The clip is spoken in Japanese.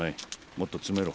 もっと詰めろ。